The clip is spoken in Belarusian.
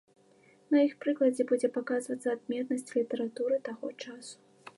На іх прыкладзе будзе паказвацца адметнасць літаратуры таго часу.